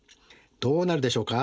どうなるでしょうか？